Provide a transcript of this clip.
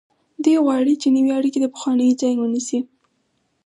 دوی غواړي چې نوې اړیکې د پخوانیو ځای ونیسي.